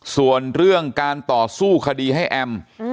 ส่วนเรื่องการต่อสู้คดีให้แอม